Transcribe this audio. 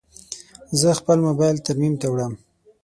زه خپل موبایل ترمیم ته وړم.